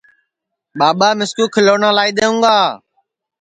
ٻاٻا مِِسکُو کھیلونا لائی دؔیوں گا